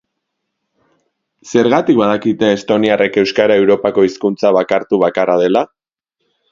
Zergatik badakite estoniarrek euskara Europako hizkuntza bakartu bakarra dela?